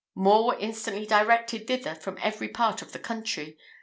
More were instantly directed thither from every part of the country.